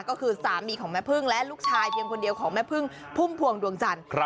ก็คือสามีของแม่พึ่งและลูกชายเพียงคนเดียวของแม่พึ่งพุ่มพวงดวงจันทร์